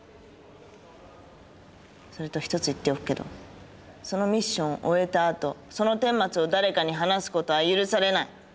それと一つ言っておくけどそのミッションを終えたあとその顛末を誰かに話す事は許されない。